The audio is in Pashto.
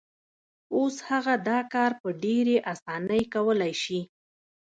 اوس هغه دا کار په ډېرې اسانۍ کولای شي.